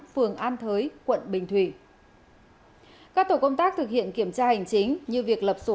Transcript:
phường an thới quận bình thủy các tổ công tác thực hiện kiểm tra hành chính như việc lập số